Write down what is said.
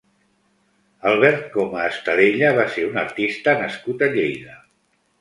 Albert Coma Estadella va ser un artista nascut a Lleida.